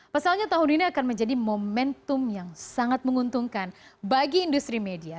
pasalnya tahun ini akan menjadi momentum yang sangat menguntungkan bagi industri media